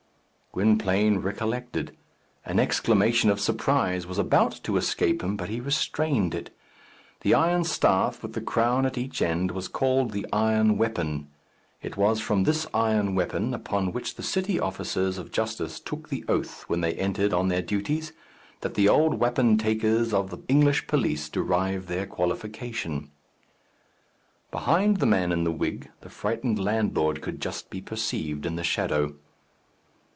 Gwynplaine recollected. An exclamation of surprise was about to escape him, but he restrained it. The iron staff, with the crown at each end, was called the iron weapon. It was from this iron weapon, upon which the city officers of justice took the oath when they entered on their duties, that the old wapentakes of the English police derived their qualification. Behind the man in the wig, the frightened landlord could just be perceived in the shadow.